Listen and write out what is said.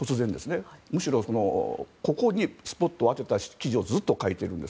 むしろここにスポットを当てた記事をずっと書いているんです。